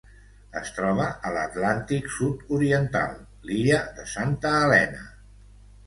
Es troba a l'Atlàntic sud-oriental: l'illa de Santa Helena.